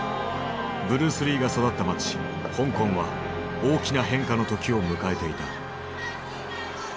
ブルース・リーが育った街香港は大きな変化の時を迎えていた。